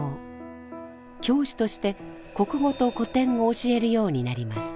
教師として国語と古典を教えるようになります。